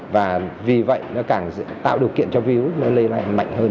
và vì vậy nó càng tạo được kiện cho virus lây lại